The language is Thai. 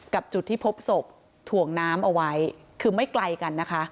จุดที่พบศพถ่วงน้ำเอาไว้คือไม่ไกลกันนะคะ